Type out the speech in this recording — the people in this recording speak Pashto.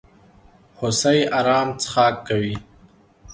هوسۍ ارام څښاک کوي.